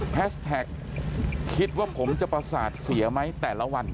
แท็กคิดว่าผมจะประสาทเสียไหมแต่ละวัน